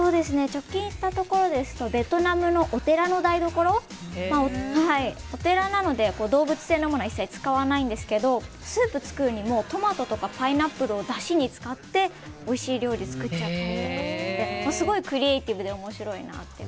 直近で行ったところですとベトナムのお寺の台所お寺なので、動物性のものは一切使わないんですけどスープを作るにもトマトとかパイナップルをだしに使っておいしい料理を作っちゃったりしてすごいクリエーティブで面白いなと。